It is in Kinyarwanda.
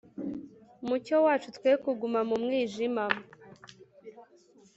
mucyo wacu, twe kuguma mu mwijima.